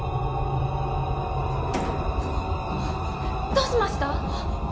どうしました？